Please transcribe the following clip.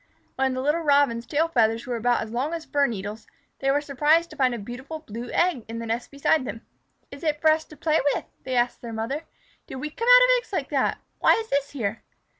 When the little Robins' tail feathers were about as long as fir needles, they were surprised to find a beautiful blue egg in the nest beside them. "Is it for us to play with?" they asked their mother. "Did we come out of eggs like that? Why is this here?"